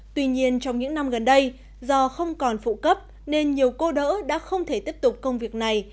tuy nhiên trong những năm gần đây do không còn phụ cấp nên nhiều cô đỡ đã không thể tiếp tục công việc này